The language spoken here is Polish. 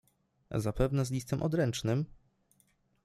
Zapewne z listem odręcznym?